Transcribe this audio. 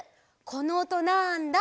このおとなんだ？